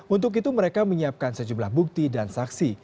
untuk itu mereka menyiapkan sejumlah bukti dan saksi